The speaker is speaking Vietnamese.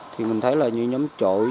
thì mình thấy là như nhóm trội